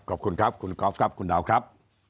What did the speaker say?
ขอบคุณครับคุณกอล์ฟครับคุณดาวครับ